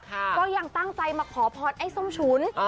ก็ยังตั้งใจมาขอพรไอ้ส้มฉุน